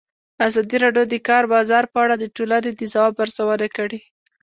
ازادي راډیو د د کار بازار په اړه د ټولنې د ځواب ارزونه کړې.